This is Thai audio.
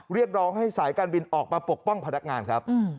เรียกร้องให้สายการบินออกมาปกป้องพนักงานครับ